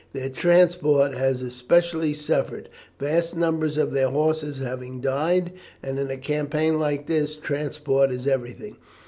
Their transport has especially suffered, vast numbers of their horses having died; and in a campaign like this, transport is everything.